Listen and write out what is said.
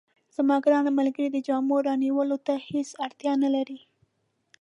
زما ګرانه ملګرې، د جامو رانیولو ته هیڅ اړتیا نه لرې.